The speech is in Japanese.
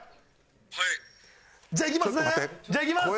「はい」じゃあいきますね？